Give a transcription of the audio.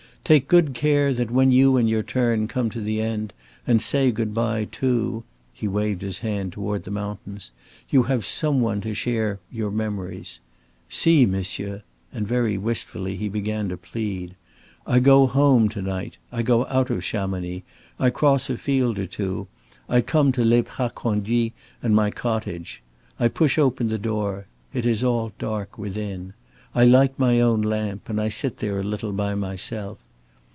Take good care that when you in your turn come to the end, and say good by too" he waved his hand toward the mountains "you have some one to share your memories. See, monsieur!" and very wistfully he began to plead, "I go home to night, I go out of Chamonix, I cross a field or two, I come to Les Praz Conduits and my cottage. I push open the door. It is all dark within. I light my own lamp and I sit there a little by myself.